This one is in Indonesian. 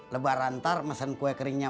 lebaran ntar mesen kue keringnya